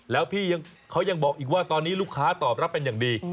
แล้วพี่เขายังบอกอีกว่าตอนนี้ลูกค้าตอบรับเป็นอย่างดี